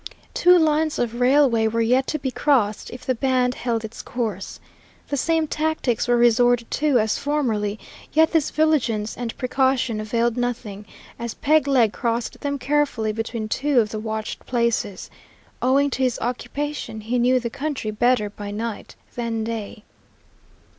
Two lines of railway were yet to be crossed if the band held its course. The same tactics were resorted to as formerly, yet this vigilance and precaution availed nothing, as Peg Leg crossed them carefully between two of the watched places. Owing to his occupation, he knew the country better by night than day.